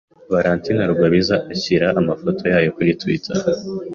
Valentine Rugwabiza ashyize amafoto yayo kuri Twitter.